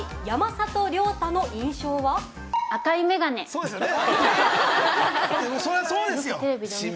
そうですよね。